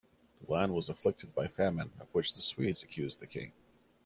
The land was afflicted by famine of which the Swedes accused the king.